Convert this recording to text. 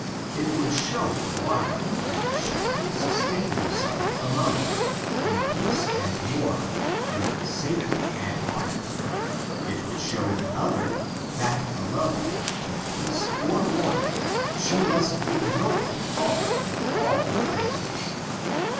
It would show the one that she could sustain herself alone, in peace and war, with safety and honor. It would show the other that alone, in peace or war, she must ignobly fall with " all her greatness."